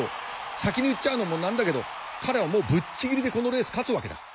先に言っちゃうのもなんだけど彼はもうぶっちぎりでこのレース勝つわけだ！